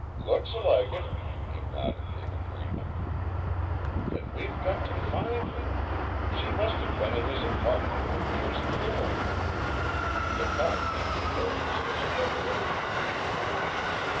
"Looks like it," he nodded in agreement. "Then we've got to find her. She must have been in his apartment when he was killed." The thought came to Rose as a revelation.